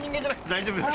大丈夫です！